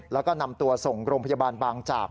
แล้วก็นำตัวส่งโรงพยาบาลบางจาก